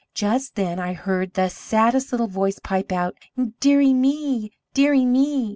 Just then I heard the saddest little voice pipe out: 'Dear ie me! Dear ie me!'